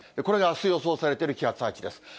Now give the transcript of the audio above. これがあす予想されている気圧配置です。